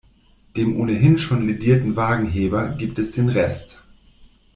Dem ohnehin schon lädierten Wagenheber gibt es den Rest.